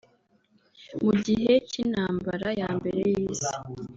Mu gihe cy’intambara ya mbere y’isi